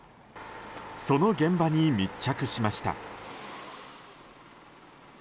その現場に密着しました。